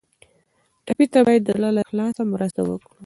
ټپي ته باید د زړه له اخلاص مرسته وکړو.